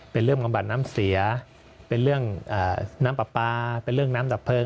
เป็นเรื่องบำบัดน้ำเสียเป็นเรื่องน้ำปลาปลาเป็นเรื่องน้ำดับเพลิง